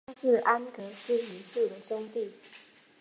他是安格斯一世的兄弟。